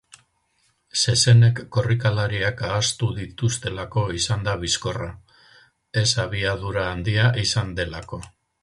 Zezenek korrikalariak ahaztu dituztelako izan da bizkorra, ez abiadura handia izan delako.